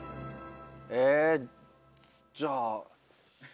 えじゃあ。